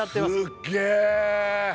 すっげー！